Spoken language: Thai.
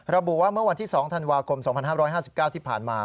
ระบวนวันที่๒ธันวาคม๒๕๕๙ที่ผ่านมา